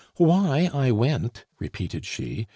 "Why I went?" repeated she.